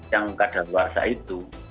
yang kadar luar sah itu